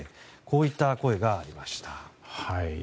こういった声がありました。